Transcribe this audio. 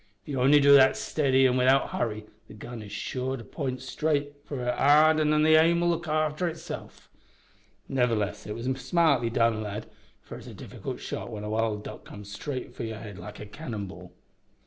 If you only do that steadily an' without hurry, the gun is sure to p'int straight for'ard an' the aim'll look arter itself. Nevertheless, it was smartly done, lad, for it's a difficult shot when a wild duck comes straight for your head like a cannon ball."